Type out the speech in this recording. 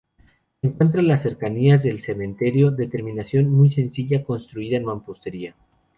Se encuentra en las cercanías del cementerio, de terminación muy sencilla, construida en mampostería.